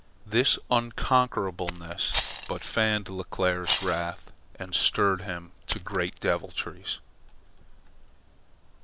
This unconquerableness but fanned Leclere's wrath and stirred him to greater deviltries.